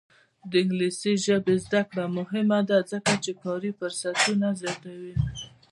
د انګلیسي ژبې زده کړه مهمه ده ځکه چې کاري فرصتونه زیاتوي.